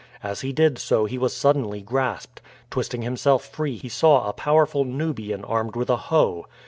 As he did so he was suddenly grasped. Twisting himself free he saw a powerful Nubian armed with a hoe.